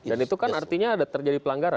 dan itu kan artinya ada terjadi pelanggaran